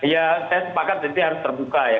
ya saya sepakat ini harus terbuka ya